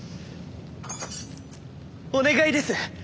お願いです父上！